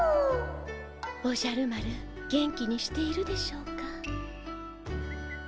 おじゃる丸元気にしているでしょうか。